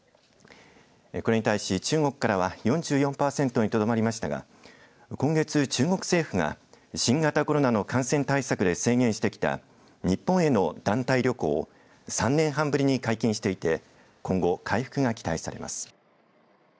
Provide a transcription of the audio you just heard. これに対し中国からは４４パーセントにとどまりましたが今月中国政府が新型コロナの感染対策で制限してきた日本への団体旅行を３年半ぶりに解禁していて今後回復が期待されます。